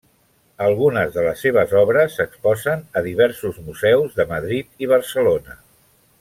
Algunes de les seves obres s'exposen a diversos museus de Madrid i Barcelona.